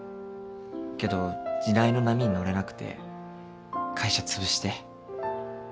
けど時代の波に乗れなくて会社つぶして。